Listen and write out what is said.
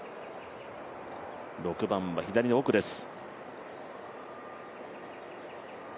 ６番は左の奥です。